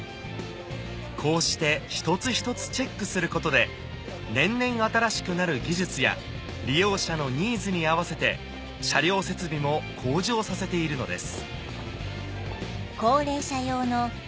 こうして一つ一つチェックすることで年々新しくなる技術や利用者のニーズに合わせて車両設備も向上させているのです